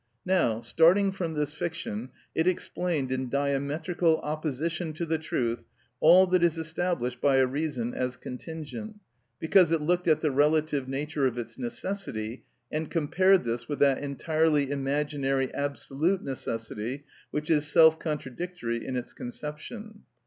Now, starting from this fiction, it explained, in diametrical opposition to the truth, all that is established by a reason as contingent, because it looked at the relative nature of its necessity and compared this with that entirely imaginary absolute necessity, which is self contradictory in its conception.